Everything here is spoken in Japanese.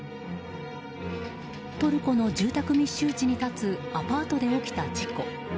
トルコの住宅密集地に立つアパートで起きた事故。